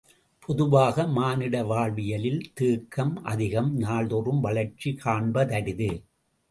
பொதுவாக மானிட வாழ்வியலில் தேக்கம் அதிகம் நாள்தோறும் வளர்ச்சி காண்பதரிது.